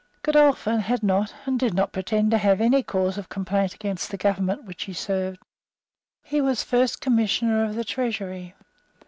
Godolphin had not, and did not pretend to have, any cause of complaint against the government which he served. He was First Commissioner of the Treasury.